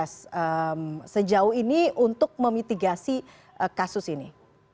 sejauh ini untuk memitigasi kasus ini